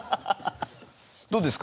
どうですか？